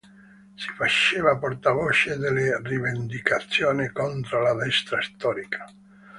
Si faceva portavoce delle rivendicazioni contro la Destra storica.